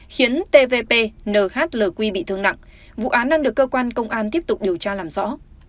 khiến tvp nhlq bị thương nặng vụ án đang được cơ quan công an tiếp tục điều tra làm rõ